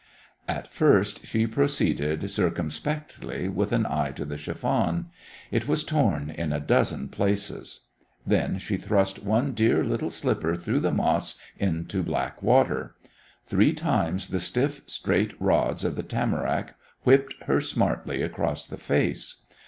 At first she proceeded circumspectly, with an eye to the chiffon. It was torn in a dozen places. Then she thrust one dear little slipper through the moss into black water. Three times the stiff straight rods of the tamarack whipped her smartly across the face.